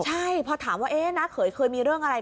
ใช่พอถามว่าน้าเขยเคยมีเรื่องอะไร